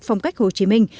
phong cách hồ chí minh